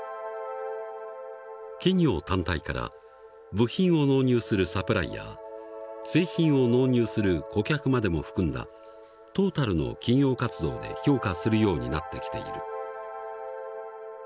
企業単体から部品を納入するサプライヤー製品を納入する顧客までも含んだトータルの企業活動で評価するようになってきている。